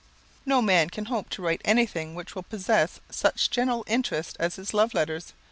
No man can hope to write anything which will possess such general interest as his love letters.